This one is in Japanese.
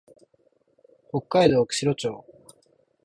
北海道釧路町